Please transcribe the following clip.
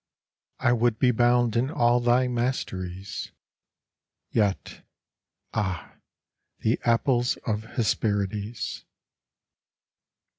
I would be bound in all thy masteries Yet, ah, the apples of Hesperides!